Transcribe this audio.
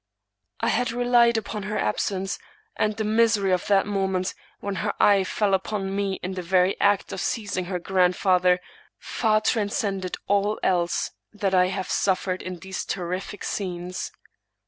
I had relied upon her absence; and the misery of that mo ment, when her eye fell upon me in the very act of seizing her grandfather, far transcended all else that I have suf fered in these terrific scenes.